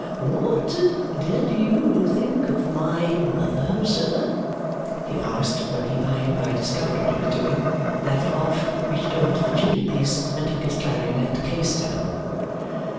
'What did you think of my brother, sir?' he asked, when he by and by discovered what he was doing, left off, reached over to the chimney piece, and took his clarionet case down.